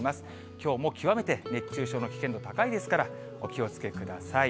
きょうも極めて熱中症の危険度高いですから、お気をつけください。